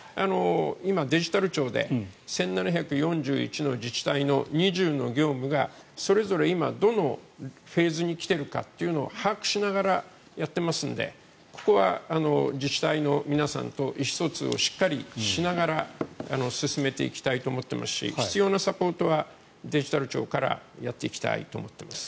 今、デジタル庁で１７４１の自治体の２０の業務がそれぞれ今どのフェーズに来ているかというのを把握しながらやっていますのでここは自治体の皆さんと意思疎通をしっかりしながら進めていきたいと思っていますし必要なサポートはデジタル庁からやっていきたいと思っています。